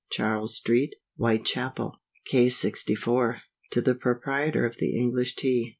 Charles Street, Whitechapel. CASE LXIV. To the Proprietor of the ENGLISH TEA.